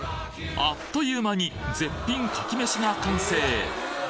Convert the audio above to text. あっという間に絶品牡蠣めしが完成！